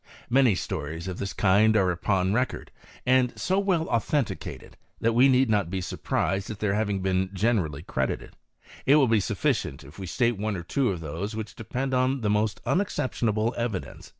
Many stories of this kind are upon record, and so well au thenticated, that we need not be surprised at th^ having been generally credited. It will be sufficient if we state one or two of those which depend upon the most unexceptionable evidence.